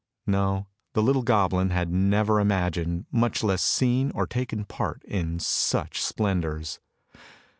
No, the little goblin had never imagined, much less seen or taken part in such splendours.